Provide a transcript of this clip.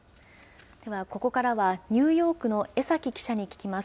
ではここからは、ニューヨークの江崎記者に聞きます。